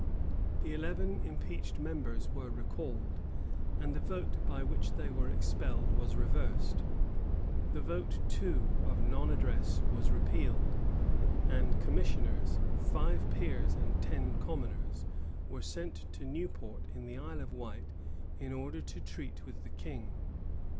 The eleven impeached members were recalled, and the vote by which they were expelled was reversed. The vote, too, of non addresses was repealed; and commissioners, five peers and ten commoners, were sent to Newport in the Isle of Wight, in order to treat with the king.